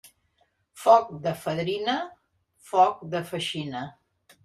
Foc de fadrina, foc de feixina.